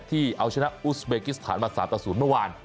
ที่เอาชนะอุสเบกิสถานมา๓ต่อ๐เมื่อวาน